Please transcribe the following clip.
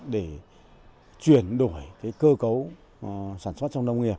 để chuyển đổi cơ cấu sản xuất trong nông nghiệp